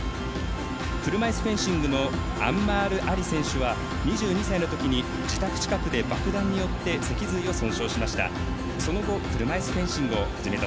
車いすフェンシングのアンマール・アリ選手は２２歳のときに自宅近くで爆弾によって脊髄を損傷しました。